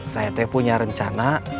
saya teh punya rencana